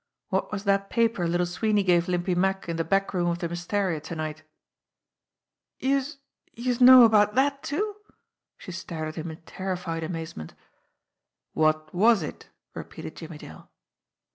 What was that paper Little Sweeney gave Limpy Mack in the back room of the Wistaria to night?" "Youse youse know about dat, too?" She stared at him in terrified amazement. "What was it?" repeated Jimmie Dale.